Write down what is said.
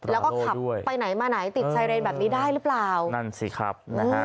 แล้วก็ขับไปไหนมาไหนติดไซเรนแบบนี้ได้หรือเปล่านั่นสิครับนะฮะ